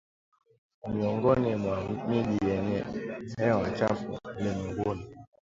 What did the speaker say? ni miongoni mwa miji yenye hewa chafu ulimwenguni